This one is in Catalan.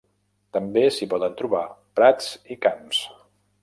També s'hi poden trobar prats i camps.